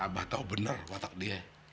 abah tau bener watak dia